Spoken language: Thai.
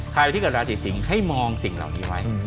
เดี๋ยวที่กับราศกรียศิงธ์ให้มองสิ่งเหล่านี้ไว้